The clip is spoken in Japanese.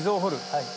はい。